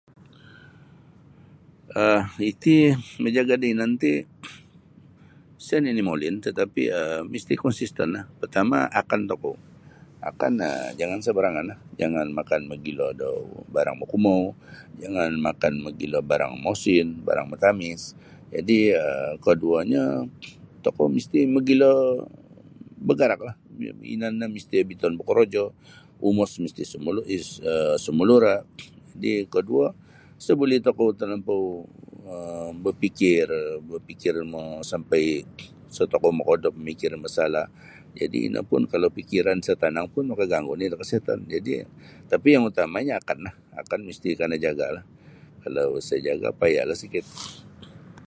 um Iti mamajaga da inan ti sa nini molin tatapi um misti konsisten um pertama akan tokou akan um jangan sabarangan um jangan makan mogilo da barang makaumau jangan makan mogilo da barang mosin barang matamis jadi koduonyo tokou misti mogilo bagaraklah um inan no misti obiton bokorojo umos misti issumalura sumalura koduo isa buli tokou talampau um bapikir bapikir mo sampai sa tokou makaodop mamikir masalah jadi ino pun kalau pikiran sa tanang pun makaganggu nini da kesihatan jadi tapi yang utamanyo akanlah akan misti kana jagalah kalau sa jaga payahlah sikit.